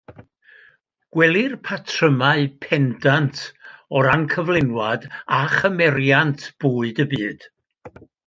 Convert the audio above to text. Gwelir patrymau pendant o ran cyflenwad a chymeriant bwyd y byd